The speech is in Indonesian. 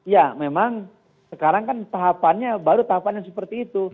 ya memang sekarang kan tahapannya baru tahapannya seperti itu